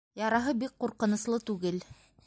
Яраһы бик ҡурҡыныслы түгел.